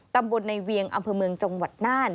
ตำบลในเวียงอำเภอเมืองจังหวัดน่าน